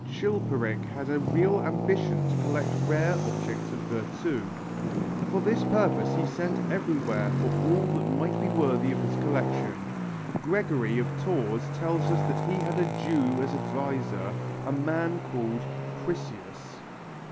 Chilperic had a real ambition to collect rare objects of virtu. For this purpose he sent everywhere for all that might be worthy of his collection. Gregory of Tours tells us that he had a Jew as adviser, a man called Priseus.